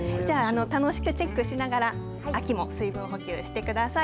楽しくチェックしながら秋も水分補給してください。